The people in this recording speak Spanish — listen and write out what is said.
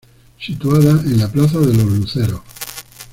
Situada en la Plaza de los Luceros.